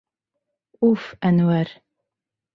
— Уф, Әнүәр.